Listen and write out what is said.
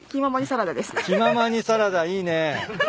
気ままにサラダいいね。